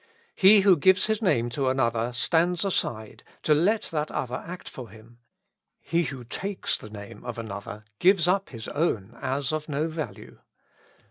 He who gives his name to another stands aside, to let that other act for him ; he who takes the name of another, gives up his own as of no value.